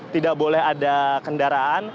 tidak boleh ada kendaraan